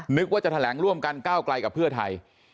ว่าจะแถลงร่วมกันก้าวไกลกับเพื่อไทย